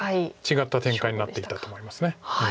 違った展開になっていたと思います。